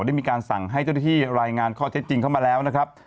ได้มีการสั่งให้เจ้าหน้าที่รายงานข้อเท็จจริงเข้ามาแล้วนะครับ